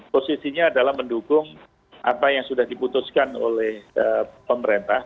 posisinya adalah mendukung apa yang sudah diputuskan oleh pemerintah